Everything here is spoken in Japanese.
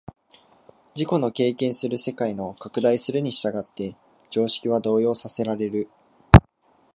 自己の経験する世界の拡大するに従って常識は動揺させられる。